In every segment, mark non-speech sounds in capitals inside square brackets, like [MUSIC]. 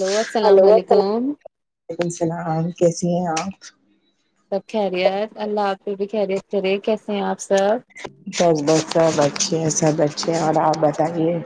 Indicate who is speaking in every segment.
Speaker 1: Hello
Speaker 2: hello السلام
Speaker 1: علیکم
Speaker 2: وعلیکم السلام کیسی ہیں آپ؟
Speaker 1: سب خیریت اللہ آپ کی بھی خیریت کرے کیسے ہیں آپ؟ سب
Speaker 2: بس بس سب اچھے سب اچھے۔۔ اچھے ہے اور آپ بتائیے۔۔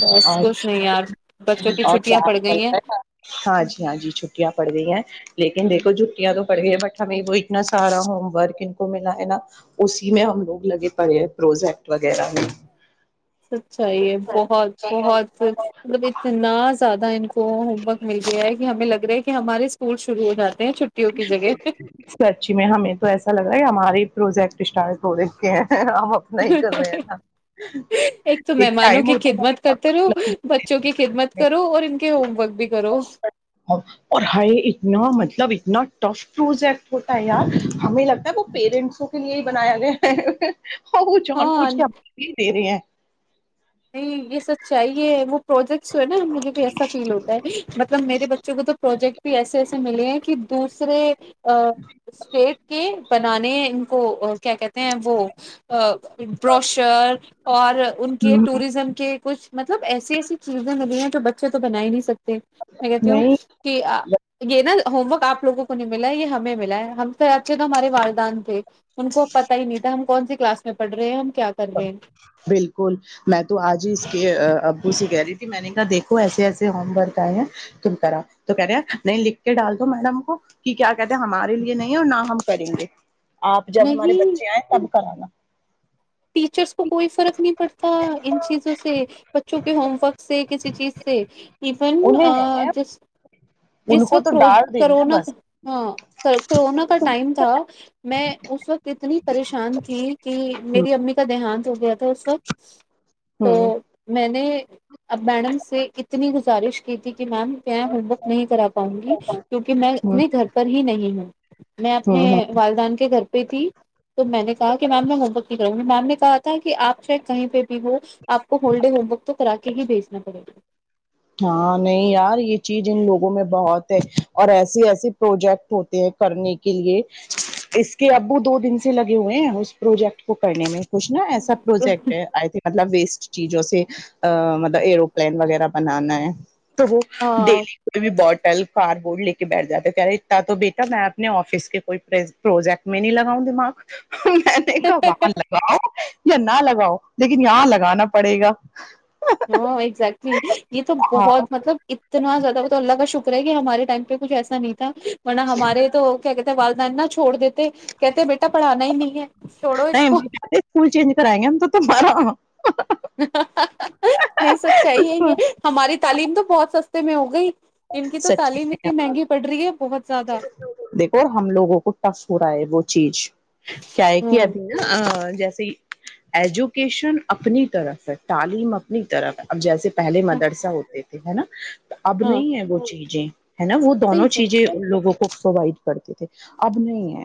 Speaker 1: بس
Speaker 2: اور
Speaker 1: کچھ نہیں یار بچوں کی چھٹیاں پڑ
Speaker 2: کیال
Speaker 1: گئی ہیں
Speaker 2: ہال جی ہاں جی چھٹیاں پڑ گئی ہیں۔۔ لیکن دیکھو چھٹیاں تو پڑ گئی بٹ ہمیں وہ اتنا سارا ہوم ورک ان کو ملا ہے نا اسی میں ہم لوگ لگے پڑے ہیں پروجیکٹ وغیرہ میں۔۔
Speaker 1: اچھا یہ۔۔ بہت بہت مطلب اتنا زیادہ کو ہوم ورک مل گیا ہے کہ ہمیں لگ رہا ہے کہ ہمارے اسکول شروع ہو جاتے ہیں چھٹیوں کی جگہ
Speaker 2: سچی میں ہمیں تو ایسا لگ رہا ہے ہمارے پروجیکٹ اشٹار ہو د کے ہیں ہم اپنا ہی کر رہے ہیں نا
Speaker 1: ایک تو مہمانوں
Speaker 2: ٹائم
Speaker 1: کی
Speaker 2: ہوتا تھا کہ
Speaker 1: خدمت کرتے رہو
Speaker 2: سب لوگ
Speaker 1: بچوں کی خدمت کرو اور ان کے ہوم ورک بھی کرو
Speaker 2: اور ہائے اتنا مطلب اتنا ٹف پروجیکٹ ہوتا ہے یار ہمیں لگتا ہے وہ پیرنٹسوں کے لیے ہی بنایا گیا ہے اور وہ چان پوچھ
Speaker 1: ہاں
Speaker 2: کے بھی دے رہے ہیں
Speaker 1: نہیں یہ سب چاہیے وہ پروجیکٹس جو ہے نا مجھے بھی ایسا فیل ہوتا ہے مطلب میرے بچوں کو تو پروجیکٹ بھی ایسے ایسے ملے ہیں کہ دوسرے اسٹیٹ کے بنانے ان کو کیا کہتے ہیں وہ بروشر اور ان کے کے کچھ مطلب ایسی ایسی چیزیں ملی ہیں جو بچے تو بنا ہی نہیں سکتے میں کہتی ہوں
Speaker 2: نہیں
Speaker 1: کہ یہ نا ہوم ورک آپ لوگوں کو ملا یہ ہمیں ملا ہے ہم س آے تو ہمارے والدان تھے ان کو پت ہی نہیں تھا ہم کون سے کلاس میں پڑ رہے ہیں ہم کیا کر رہے ہیں
Speaker 2: بالکل میں تو آج ہی اس کے ابو سے کہہ رہی تھی میں نے کہا دیکھو ایسے ایسے ہوم ورک آئے ہیں تم کرا تو کہہ رہے نہیں لکھ کے ڈال دو میڈم کو کہ کیا کہتے ہمارے لیے نہیں اور نہ ہم کریں گے آپ جب ہمارے
Speaker 1: نہیں
Speaker 2: بچے آئے تب کرانا
Speaker 1: ٹیچرس کو کوئی فرق نہیں پڑتا ان چیزوں سے بچوں کے ہوم ورک سے کسی چیز سے ایون
Speaker 2: انہیں نے
Speaker 1: جس
Speaker 2: ان
Speaker 1: جس
Speaker 2: کو تو
Speaker 1: وقت
Speaker 2: ڈانٹ دینا
Speaker 1: کرونا
Speaker 2: بس
Speaker 1: ہاں کرورونا کا ٹائم تھا میں اس وقت اتنی پریشان تھی کہ
Speaker 2: ہ
Speaker 1: میری امی ک د ہان [UNINTELLIGIBLE] تو
Speaker 2: ہ
Speaker 1: میں نے اب میڈم سے اتنی گزارش کی تھی میم میں ہوم ورک نہیں کرا پاؤں گی کیوںکہ میں
Speaker 2: ہ
Speaker 1: اپتنے گھر پر ہی نہیں ہوں میں اپنے
Speaker 2: ہ ہ
Speaker 1: والدان کے گھر تھی تو میں نے کہا کہ میم میں ہوم ورک کروں گی میم نے کہا تھا کہ آپ چاہے کہیں پہ بھی ہو آپ کو ہول ڈے ہوم ورک تو کرا کے ہی بھیجنا پڑے گا
Speaker 2: ہاں نہیں یار یہ چیز ان لوگوں میں بہت ہے اور ایسے ایسے پروجیکٹ ہوتے ہیں کرنے کے لیے اس کے ابو دو دن سے لگے ہوئے ہیں اس پروجیکٹ کو کرنے میں کچھ نا ایسا
Speaker 1: گا
Speaker 2: پروجیکٹئی ہے مطلب ویسٹ چیزوں سے مطلب ایروپلین وغیرہ بنانا ہے تو وہ
Speaker 1: ہاں
Speaker 2: ڈیلی کوئی بھی ب کل کار بورڈ لے کے بیٹھ جاتے کہہ رہے اتنا تو بیٹا میں اپنے آفس کے کوئی پروجیکٹ میں نہیں لگاؤں دماغ یک باہن لگا یا نہ لگاؤ لیکن یہاں لگانا پڑے گا
Speaker 1: ہاں ایکگزٹلی یہ تو بہت
Speaker 2: ہاں
Speaker 1: مطلب اتنا زیادہ مب اللہ کا شکر ہے کہ ہمارے ٹائم پہ کچھ ایسا نہیں تھا م ہمارے تو کیا کہتے والد انا چھوڑ دیتے کہتے بیٹا پڑھانا ہی نہیں ہے چھوڑو اس
Speaker 2: نہیں
Speaker 1: کو
Speaker 2: اسکول چینج کرائیں گے ہم تو تار
Speaker 1: نہیں سب چاہیے یہ ہماری تعلیم تو بہت سستے میں ہو گئی ان کی تو
Speaker 2: سچی
Speaker 1: تعلیم اتنی
Speaker 2: میں
Speaker 1: مہنگی پڑ رہی ہے بہت زیادہ
Speaker 2: دیکھو ہم لوگوں کو ٹف ہو رہا ہے وہ چیز کیا ہے کہ ابھی
Speaker 1: ہاں
Speaker 2: جیسے ایجوکیشن اپنی طرف ہے تعلیم اپنی طرف ہے اب جیسے پہلے مدرسہ ہوتے ہے نا اب
Speaker 1: ہاں
Speaker 2: نہیں ہے وہ چیزیں ہے نا وہ دونوں
Speaker 1: صحیح
Speaker 2: چیزیں کو پرووائڈ کرتے تھے اب نہیں ہے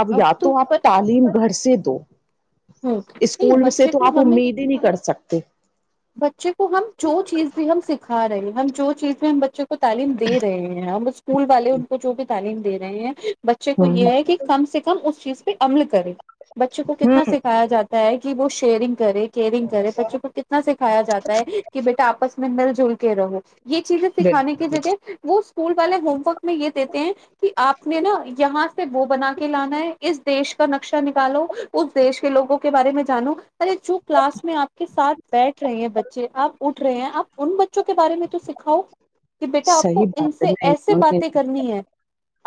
Speaker 2: اب یا تو آپ تعلیم گھر سے س دو
Speaker 1: نہیں
Speaker 2: اسکول سے
Speaker 1: بچے
Speaker 2: تو
Speaker 1: کو
Speaker 2: آپ
Speaker 1: ہمیں
Speaker 2: امید ہی نہیں کر سکتے
Speaker 1: بچے کو ہم جو چیز بھی ہم سکھا رہے ہیں ہم جو چیزیں ہیں بچوں کو تعلیم دے رہے ہیں ہم وہ اسکول والے ان کو جو بھی تعلیم دے رہے ہیں بچے کو یہ
Speaker 2: ہ
Speaker 1: ہے کہ کم سے کم اس چیز پہ عمل کرے بچے کو کتنا
Speaker 2: ہ
Speaker 1: سکھایا جاتا ہے کہ کہ وہ شیئرنگ کرے کیرنگ کرے پچ پ سکھایا جاتا ہے کہ بیٹا آپس میں مل جل کے رہو یہ چیزیں سکھانے کی
Speaker 2: بالکل
Speaker 1: جگہ وہ اسکول والے ہوم ورک میں یہ دیتے ہیں کہ آپ نے نا یہاں سے وہ بنا کے لانا ہے اس دیش کا نقشہ نکالو اس دیش کے لوگوں کے بارے میں جانو ارے جو کلاس میں آپ کے ساتھ بیٹھ رہے ہیں بچے آپ اٹھ رہے ہیں آپ انن بت کے بارے میں تو سکھاؤ کہ بیٹا آپ کو
Speaker 2: صحیح بات
Speaker 1: ان
Speaker 2: ہے
Speaker 1: سے
Speaker 2: نہیں
Speaker 1: ایسے
Speaker 2: نہیں،
Speaker 1: باتیں کرنی ہے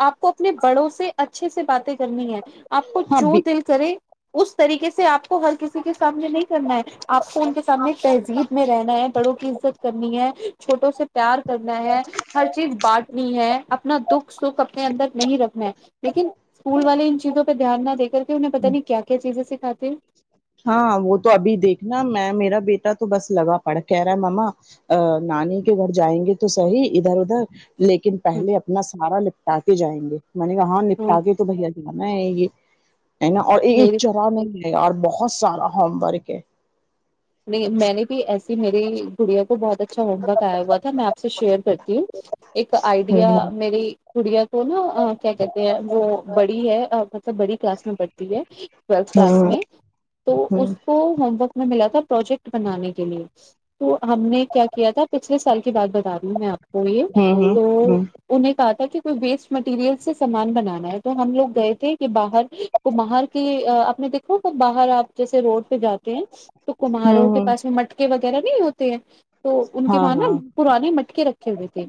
Speaker 1: آپ کو اپنے بڑوں سے اچھے سے باتیں کررنی ہے آپ کو
Speaker 2: ہاں
Speaker 1: جو
Speaker 2: بھی
Speaker 1: دل کرے اس طریقے سے آپ کو ہر کسی کے سامنے نہیں کرنا ہے آپ کو ان کے ہمنے تہذیب میں رہنا ہے بڑوں کی عزت کرنی ہے چھوٹوں سے پیار کرنا ہے ہر چیز بانٹنی ہے اپنا دکھ سکھ اپنے اندر نہیں رکھنا ہے لیکن اسکول والے ان چیزوں پہ دھیان نہ دے کر کے انہیں پتہ نہیں کیا کیا چیز جسکھاتی
Speaker 2: ہاں وہ تو ابھی دیکھنا میں میرا بیٹا تو بس لگا پڑ کہہ رہا ہے مما نانی کے گھر جائیں گے تو سحیح ادھر ادھر لیکن پہلے اپنا سارا لکھتا تھا جائیں گے میں نے کہااں نپٹا کے تو بھیا انا ہی گ ہے نا اور یہ
Speaker 1: میرے
Speaker 2: چرا نہیں اور بہت بہت سارا ہوم ورک ہے
Speaker 1: نہیں میں نے بھی ایسی میری کڑیا کو بہت اچھا ہوم ورک آیا ہوا تھا میں آپ سے شیئر کرتی ہوں ایک آئیڈیا
Speaker 2: ہوں
Speaker 1: میری کڑیا وہ نا کیا کہتے ہیں وہ بڑی ہے سب بڑی کلاس میں پڑھتی ہے ٹویلھ کلاس
Speaker 2: ہوں
Speaker 1: میں تو اس کو ہوم ورک میں ملا تھا پروجیکٹ بنانے کے لیے تو ہم نے کیا کیا تھا پچھلے سال کی بات بتا رہی ہوں میں آپ کو یہ
Speaker 2: ہوں ہوں
Speaker 1: تو
Speaker 2: ہوں
Speaker 1: انہیں کہ تاکہ کوئی ویسٹ مٹیریل سے سامان بنانا ہے تو ہم لوگ گئے تھے کہ باہر کو باہر کے اپ نے دیکھو تو باہر آپ جیسے روڈ پہ جاتے ہیں تو
Speaker 2: ہوں
Speaker 1: کماروں کے
Speaker 2: ہوں
Speaker 1: پاس میں مٹکے وغیرہ وغیرہ نہیں ہوتے ہیں تو ان کے
Speaker 2: ہاں
Speaker 1: وہاں نا
Speaker 2: ہاں
Speaker 1: پرانے مٹکے رکھے ہوئے تھے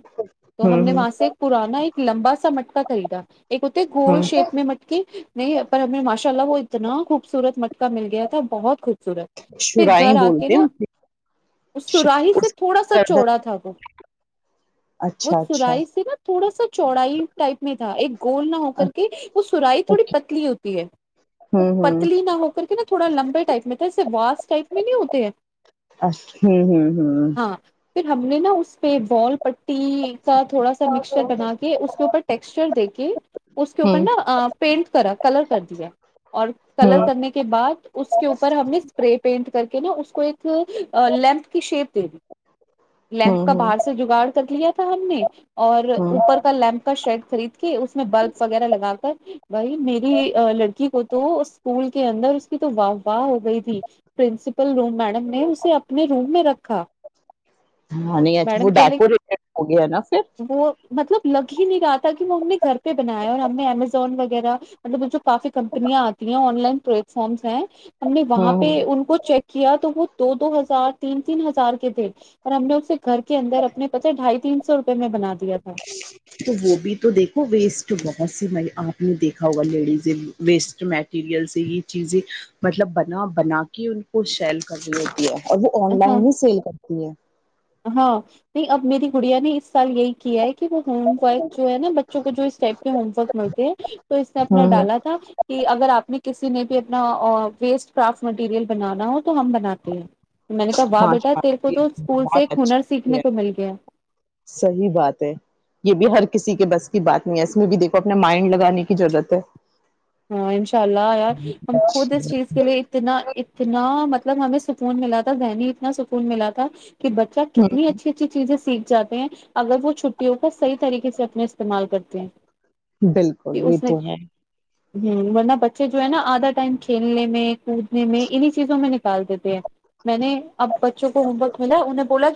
Speaker 1: تو ہم
Speaker 2: ہوں
Speaker 1: نے
Speaker 2: ہوں
Speaker 1: وہاں سے پرانا ایک لمبا سا مٹکا پتا کرریدا ایک ہوتے گھول
Speaker 2: ہوں
Speaker 1: شیپ میں مٹکی نہیں پر ہم نے ماش چلا وہ اتنا خوبصورت مٹکا مل گیا تھا بہت خوب پھر
Speaker 2: شرائیں
Speaker 1: گھر آ کے
Speaker 2: بولتے ہیں
Speaker 1: نا
Speaker 2: اس کی، ش-
Speaker 1: سراہی سے
Speaker 2: اس کی
Speaker 1: تھوڑا سا
Speaker 2: گردن
Speaker 1: چوڑا تھا وہ وہ
Speaker 2: اچھا اچھا
Speaker 1: سرائی سے نا تھوڑا سا چوڑائی ٹائپ میں ہ ایک گول نہ ہو کر کے وہ سرائی تھوڑی
Speaker 2: اوکے
Speaker 1: پتلی ہوتی ہے وہ
Speaker 2: ہوں ہوں
Speaker 1: پتلی نہ ہو کر کے نا تھوڑا لمبے ٹائپ میں تھا اسے واس ٹائپ میں نہیں ہوتے ہیں
Speaker 2: اچ ہوں ہوں ہ
Speaker 1: ہاں پھر ہم نے نا اس پہ بال پٹی کا تھوڑا سا مکسچر بنا کے اس کے اوپر ٹیکسچر دے کے اس کے اوپر
Speaker 2: ہوں
Speaker 1: نا پینٹ کرا کلر کر دیا اور کلر
Speaker 2: ہوں
Speaker 1: کرنے کے بعد اس کے اوپر ہم نے کر کے نا اس کو ایک لینتھ کی شیپ
Speaker 2: ہوں
Speaker 1: لیمپ کا
Speaker 2: ہوں ہوں
Speaker 1: باہر سے جگاڑ کر لیا تھا ہم نے اور
Speaker 2: ہوں
Speaker 1: اوپر کا لیمپ کا شیڈ خرید کے اس میں بلب وغیرہ لگا کر بھائی میری لڑکی کو تو اسکول کے اندر اس کی تو واہ واہ ہو گئی تھی نسپل [UNINTELLIGIBLE] [INAUDIBLE] روم میڈم نے اسے اپنے روم میں رکھا
Speaker 2: ہاں نہیں اچھا وہ
Speaker 1: میڈم کہ ل
Speaker 2: ڈیکوریٹڈ ہو گیا نا پھر
Speaker 1: وہ مطلب لگ ہی نہیں رہا تھا کہ میں ہم نے گھر پہ بنایا اور ہم نے امیزون ویرہ وغیر مطلبھ کافی کمپنیاں آتی ہیں آن لائن پر فمس ہیں [UNINTELLIGIBLE] ہم نے
Speaker 2: ہاں
Speaker 1: وہاں پہ
Speaker 2: ہاں
Speaker 1: ان کو چیک کیا تو وہ دو دو ہزار تین تین ہزار کے تھے اور ہم نے اس سے گھر کے اندر اپنے پتہ ڈھائی تین سو روپ میں بناات [UNINTELLIGIBLE] [INAUDIBLE]
Speaker 2: تو وہ بھی تو دیکھو وسٹ بہت ایسے میں آپ نے دیکھا ہوگا لیڈیز ویسٹ میٹیریل سے یہ چیزیں مطلب بنا بنا کے ان کو شیل کرنے دیا اور وہ آن
Speaker 1: ہاں
Speaker 2: لائن ہی سیل کرتی ہے
Speaker 1: ہاں نہیں اب میری گڑیا نے اس سال یہی کیا ہے کہ وہ ہوم ورک جو ہے نا بچوں کو جو اس ٹائپ کے ہوم ورک ملتے ہیں تو اس نے اپنا
Speaker 2: ہوں
Speaker 1: ڈالا تھا کہ اگر آپ نے کسی نے بھی اپنا ویسٹ کرافٹ مٹیریل بنانا ہو تو ہم بناتے ہیں میں نے کہا واہ بیٹا تیر کو تو اسکول سے ہنر سیکھنے
Speaker 2: اچا
Speaker 1: کو مل گیا
Speaker 2: صحیح بات ہے یہ بھی ہر کسی کے بس کی بات نہیں ہے اس میں بھی دیکھو اپنے مائنڈ لگانے کی ضرورت ہے
Speaker 1: ہاں انشاء اللہ یار ہم خود اس چیز کے لیے اتنا اتنا مطلب ہمیں سکون ملا تھا ذہنی اتنا سکون ملا تھا کہ بچہ کتنی اچھی اچھی چیز سیکھ جاتے ہیں اگر وہ چھٹیوں صحیح طریقے سے اپنا استعمال کرتے ہیں
Speaker 2: بالکل
Speaker 1: کہ
Speaker 2: یہ
Speaker 1: اس نے
Speaker 2: تو ہے
Speaker 1: ہ ورنہ بچے جو ہے نا آدھا ٹائم کھیلنے میں کودنے میں انیں چیزوں میں نکال دیتے ہیں میں نے اب بچوں کو ہوم ورک ملا ہے انہ بولا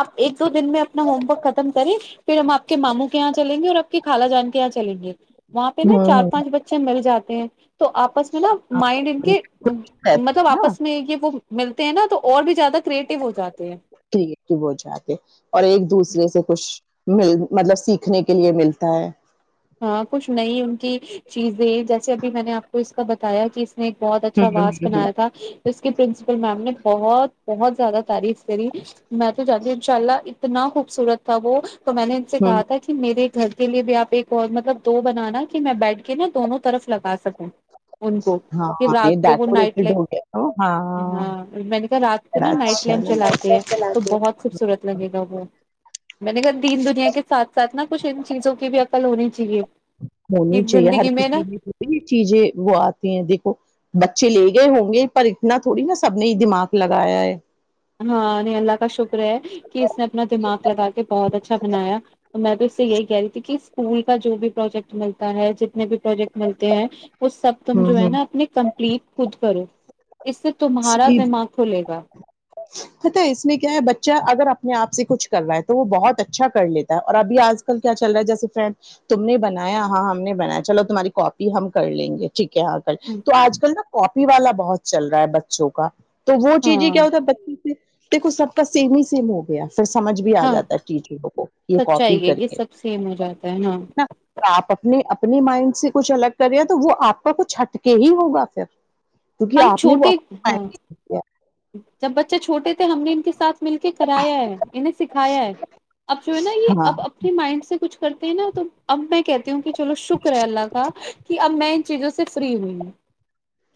Speaker 1: آپ ایک تو دن میں اپنا ہومورک ختم کرے پھر ہم آ کے ماموں کے یہاں چلیں گے اور آپ کے خال جان کے یہاں چلیں گے وہاں پہ چار پانچ بچے مل جاتے ہیں تو آپس میں نا مائنڈ ان
Speaker 2: ہوں
Speaker 1: کے
Speaker 2: رہتے
Speaker 1: مطلب
Speaker 2: ہیں نا
Speaker 1: آپس میں یہ وہ ملتے ہیں نا تو اور بھی زیادہ کریٹو ہو جاتے ہیں
Speaker 2: ٹھیک ہے وہ جا کے اور ایک دوسرے سے کچھ مل مطلب سیکھنے کے لیے ملتا ہے
Speaker 1: ہاں کچھ نئی ان کی چیزیں جیسے ابھی میں نے آپ اس کا بتایا کہ اس نے ایک بہت اچھا واس بنایا تھا اس کی پرنسپل میم نے بہت بہت زیادہ تعریف کری میں تو جانتی ہوں ان شاء اللہ اتنا خوبصورت تھا وہ تو میں نے ان سے کہا تھا کہ میرے گھر کے لیے بھی آپ ایک اور مطلب دو بنانا کہ میں بیٹھ کے نا دونوں طرف لگا سکوں ان کو
Speaker 2: ہاں
Speaker 1: پھر رات کو وہ نائٹ
Speaker 2: ڈیکوریٹڈ ہو گیا تو
Speaker 1: لم ہاں میں نے کہا رات کو
Speaker 2: بڑا
Speaker 1: نا نائٹ
Speaker 2: اچھا
Speaker 1: لائمپ چلاتے ہیں تو بہت خوبصورت لگے گا وہ میں نے کہا دین دنیا کے سات ساتھ نہا کچھ ان چیزوں کی بھی عقل ہونی چاہیے
Speaker 2: ہونی
Speaker 1: کہ
Speaker 2: چاہیے ہر
Speaker 1: زندگی نا
Speaker 2: کسی میں کوئی چیزیں وہ آتی ہیں دیکھو بچے لے کے ہوں گے پر اتنا تھوڑی نا سب نے دماغ لگایا ہے
Speaker 1: ہاں نہیں اللہ کا شکر کہ اس نے اپنا دماغ لگا کے بہت اچھا بنایا تو میں بھی اس سے یہی کہہ رہی تھی کہ اس اسکول کا جو بھی پروجیکٹ ملتا ہے ج جتنے بھی پروجیکٹ ملتے ہیں وہ سب تم
Speaker 2: ہوں
Speaker 1: جو ہے
Speaker 2: ہوں
Speaker 1: نا اپنے کمپلیٹ خود کرو اس سے تمہارا دماغ کھلے گا
Speaker 2: پتا ہے اس میں کیا ہے بچہ اگر اپنے آپ سے کچھ رہا ہے تو وہ بہت اچھا کر لیتا ہے اور ابھی آج کل کیا چل رہا ہے جیسے فرینڈ تم نے بنایا ہاں ہم نے بنایا چلو تمہاری کاپی ہم کر لیں گے ٹھیک کیا کل تو آج کل نا کاپی والا بہت چل رہا ہے ب سو کا تو وہ چیزیں
Speaker 1: ہاں
Speaker 2: کیا ہوتا ہے دیکھو سب کا سمے ہی سمے ہو گیا پھر سمجھ بھی آ
Speaker 1: ہاں
Speaker 2: جاتا ہے چیزوں کو یہ کوپی
Speaker 1: سچائی
Speaker 2: [UNINTELLIGIBLE]
Speaker 1: ہے
Speaker 2: کر
Speaker 1: یہ
Speaker 2: کے
Speaker 1: سب سیم ہو جاتا ہے ہاں
Speaker 2: آپ اپنے اپنی مائنڈ سے کچھ الگ کرے تو وہ آپ کا کچھ ہٹکر ہی ہوگا پھر کیونکہ
Speaker 1: ہم
Speaker 2: آپ نے وہ
Speaker 1: چھوٹے ہاں
Speaker 2: [UNINTELLIGIBLE]
Speaker 1: جب بچے چھوٹے تھے ہم نے ان کے ساتھ مل کے کرایا ہے انھیں سکھایا ہے اب جو ہے نا یہ
Speaker 2: ہاں
Speaker 1: اب اپنے مائنڈ سے کچھ کرتے ہیں نا تو اب ٹائم [UNINTELLIGIBLE] کہتی ہوں کہ چلو شکر ہیں [UNINTELLIGIBLE] اللہ کا کہ اب میں چیزوں سے فری ہوئی ہے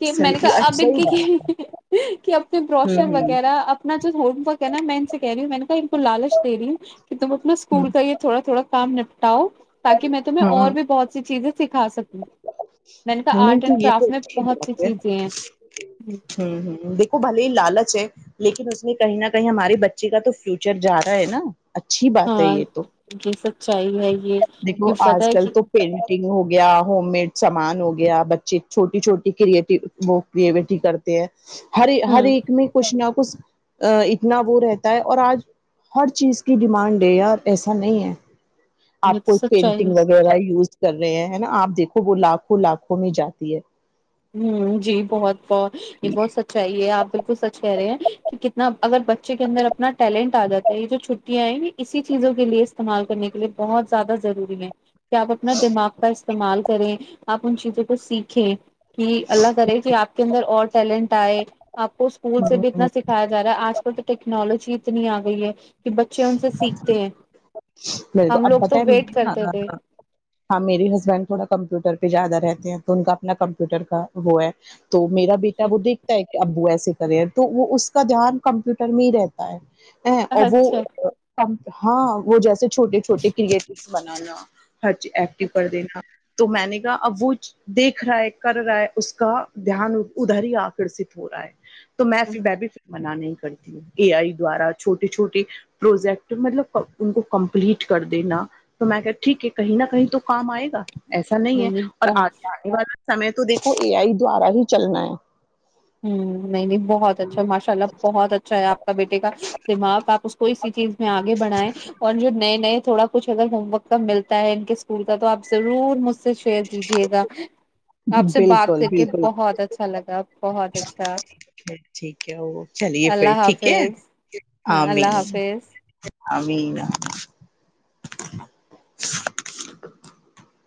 Speaker 1: کہ میںنے [UNINTELLIGIBLE] کہا
Speaker 2: صحیح
Speaker 1: اب
Speaker 2: اچھا
Speaker 1: ان
Speaker 2: ہی
Speaker 1: کے
Speaker 2: بات
Speaker 1: کہ اب بروشر
Speaker 2: ہوں ہوں
Speaker 1: وغیرہ اپنا جو ہوم ورک ہے نا میں ان سے کہہ رہی ہوں میں نے کہا ان کو لالچ دی رہی ہوں کہ تم اپنا
Speaker 2: ہ
Speaker 1: اسکول کا یہ تھوڑا تھوڑا کام نپٹاؤ تاکہ میں تمہیں اور
Speaker 2: ہاں
Speaker 1: بھی بہت سی [UNINTELLIGIBLE] میں نے
Speaker 2: [UNINTELLIGIBLE]
Speaker 1: کہا آرٹ اینڈ کرافٹ میں بہت سی چیزیں ہیں
Speaker 2: لیکن اس میں کہیں نہ کہیں ہمارے بچے کا تو فیوچر جا رہا ہے نا اچھی بات ہے
Speaker 1: ہاں
Speaker 2: یہ تو
Speaker 1: یہ سچائی ہیں
Speaker 2: دیکھو آج کل تو پینٹنگ ہو گیا ہوم مدیس س سامان ہو گیا بچے چھوٹی چھوٹی کری وہ کریوٹی کرتے ہیں ہری ہر
Speaker 1: ہوں
Speaker 2: ایک میں خوشیاں کچ اتنا وہ رہتا ہے اور آج ہر چیز کی ڈیمانڈ ہے یار ایسا نہیں ہے
Speaker 1: یہ
Speaker 2: آپ
Speaker 1: تو
Speaker 2: کو
Speaker 1: سچائی ہے۔
Speaker 2: پینٹنگ وغیرہ یوز کر رہے ہیں نا آپ دیکھو وہ لاکھوں لاکھوں میں جاتی ہے
Speaker 1: [UNINTELLIGIBLE] اگر بچے کے اندر اپنا ٹیلنٹ آ جاتا ہے یہ جو چھٹیاں ہیں اسی چیزوں کے لیے استعمال کرنے کے لیے بہت زیادہ ضروری ہے کہ آپ اپنا دماغ کا استعمال کریں اپ ان چیزوں کو سیکھیں کہ اللہ کرے جی آپ کے اندر اور تلنٹائے آپ کو اسکول سے بھی
Speaker 2: ہ
Speaker 1: اتنا سکھایاا ہے آج کل تو ٹیکنالوجی اتنی آ گئی ہے کہ بچے ان سے سیکھتے ہیں
Speaker 2: بالک
Speaker 1: ہم
Speaker 2: اب
Speaker 1: لوگ
Speaker 2: بت
Speaker 1: تو
Speaker 2: مے
Speaker 1: ویٹ
Speaker 2: نا
Speaker 1: کرتے تھے
Speaker 2: ہاں میری ہسبینڈ تھوڑا کمپیوٹر پہ زیادہ رہتے ہیں تو ان کا اپنا کمپیوٹر کا وہ ہے تو میرا بیٹا وہ دیکھتا ہے ایک ابو ایس کریئر تو وہ اس کا دھیان کمپیوٹر میں ہی رہتا ہے ا ا
Speaker 1: اچھا
Speaker 2: وہ ہاں وہ جیسے چھوٹے چھوے کرکٹ بناانا ہرچی ایکٹو
Speaker 1: اچھا
Speaker 2: کر دینا تو میں نے کہا اب وہ دیکھ رہا ہے کر رہا ہے اس کا دھیان ادھر ہی آکرشت ہو رہا ہے تو میں ببی سے من نہیں کرتی ہے اے آئی دوارا چھوٹی چھوٹی پروجیکٹ مطلب ان کو کمپلیٹ کر دینا تو میں کہ ٹھیک ہے کہیں نہ کہیں تو کام آئے گا ایسا نہیں ہے اور آ آنے والی سمے تو دیکھو اے آئی دوارا ہی چلنا ہے
Speaker 1: ہ نہیں نہیں بہت اچھا ماشاء اللہ بہت اچھا ہے آپ کا بیٹے کا دماغ آپ [UNINTELLIGIBLE] اسی چیز میں آگے بڑائیں اور جو نئے نئے تھوڑا کچھ اگر ہوم ورک کا ملتا ہے ان کے اسکول کا تو آ ضرور مجھ سے شیئر کیجیے گا
Speaker 2: جی
Speaker 1: آپ سے بات
Speaker 2: بالکل
Speaker 1: کر کے
Speaker 2: بالکل
Speaker 1: بہت اچھا لگا بہت اچھا
Speaker 2: ٹھیک ہے وہ چلیے پھر
Speaker 1: اللہ
Speaker 2: ٹھیک ہے
Speaker 1: حافظ ہاں
Speaker 2: عام
Speaker 1: اللہ حافظ
Speaker 2: ابھی